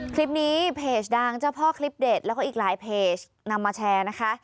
เพจดังเจ้าพ่อคลิปเด็ดแล้วก็อีกหลายเพจนำมาแชร์นะคะ